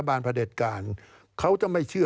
การเลือกตั้งครั้งนี้แน่